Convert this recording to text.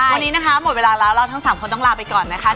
วันนี้นะคะหมดเวลาแล้วเราทั้ง๓คนต้องลาไปก่อนนะคะ